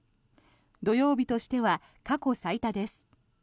土曜日としては過去最多です。